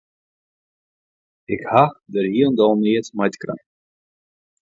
Ik ha dêr hielendal neat mei te krijen.